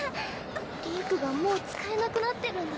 リンクがもう使えなくなってるんだ。